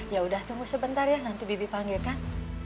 ya udah tunggu sebentar ya nanti bibi panggilkan